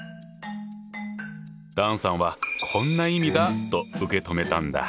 段さんはこんな意味だと受け止めたんだ。